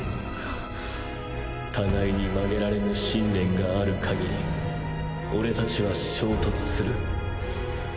互いに曲げられぬ信念がある限りオレたちは衝突する。